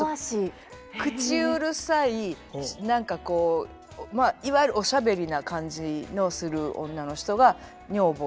口うるさい何かこうまあいわゆるおしゃべりな感じのする女の人が女房たちがよく出てきます。